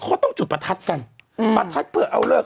เขาต้องจุดประทัดกันอืมประทัดเพื่อเอาเลิก